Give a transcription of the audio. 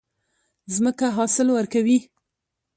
ځمکه حاصل ورکوي.